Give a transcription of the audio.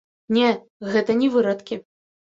Не, гэта не вырадкі.